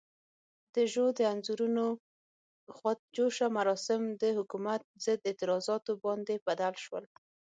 د ژو د انځورونو خود جوشه مراسم د حکومت ضد اعتراضاتو باندې بدل شول.